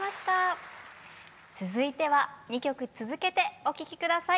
続いては２曲続けてお聴き下さい。